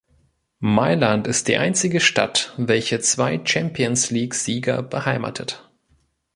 Mailand ist die einzige Stadt, welche zwei Champions-League-Sieger beheimatet.